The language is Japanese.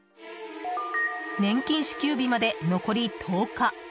年金支給日まで残り１０日。